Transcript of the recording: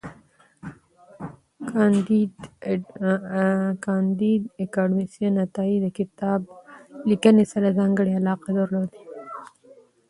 کانديد اکاډميسن عطایي د کتاب لیکنې سره ځانګړی علاقه درلوده.